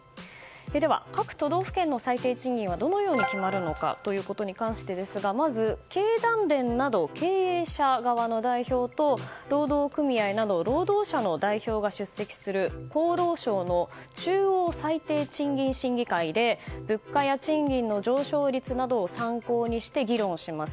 では、各都道府県の最低賃金はどのように決まるのかに関してですがまず、経団連など経営者側の代表と労働組合など労働者の代表が出席する厚労省の中央最低賃金審議会で物価や賃金の上昇率などを参考にして議論します。